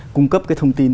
cung cấp cái thông tin